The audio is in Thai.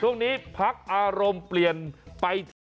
ตรงนี้พักอารมณ์เปลี่ยนไปถึง